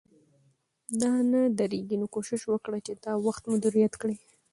دا نه درېږي، نو کوشش وکړئ چې دا وخت مدیریت کړئ